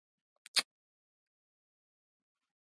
زه چا ته نه وایم بیړه کوه !